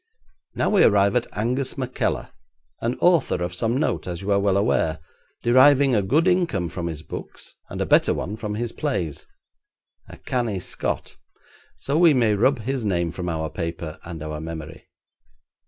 Now we arrive at Angus McKeller, an author of some note, as you are well aware, deriving a good income from his books and a better one from his plays; a canny Scot, so we may rub his name from our paper and our memory.